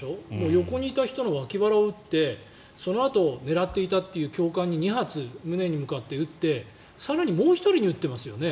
横にいた人の脇腹を撃ってそのあと狙っていたという教官に２発、胸に向かって撃って更にもう１人に撃ってますよね。